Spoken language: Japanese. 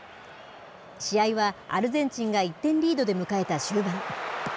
試合は、アルゼンチンが１点リードで迎えた終盤。